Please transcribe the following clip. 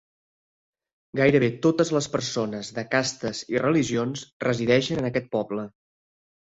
Gairebé totes les persones de castes i religions resideixen en aquest poble.